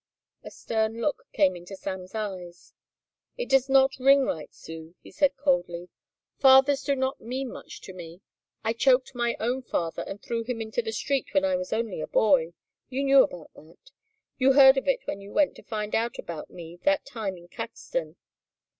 A stern look came into Sam's eyes. "It does not ring right, Sue," he said coldly; "fathers do not mean much to me. I choked my own father and threw him into the street when I was only a boy. You knew about that. You heard of it when you went to find out about me that time in Caxton.